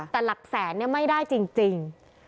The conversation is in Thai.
แต่หลักแสนไม่ได้จริง